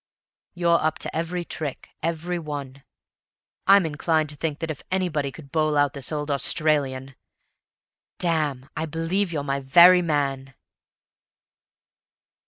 You're up to every trick every one ... I'm inclined to think that if anybody could bowl out this old Australian ... Damme, I believe you're my very man!"